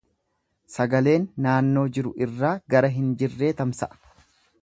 Sagaleen naannoo jiru irraa gara hin jirree tamsa’a.